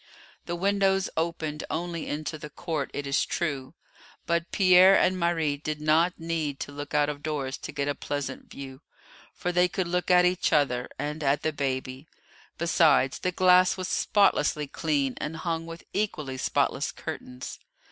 The windows opened only into the court, it is true, but Pierre and Marie did not need to look out of doors to get a pleasant view, for they could look at each other, and at the baby; besides, the glass was spotlessly clean and hung with equally spotless curtains.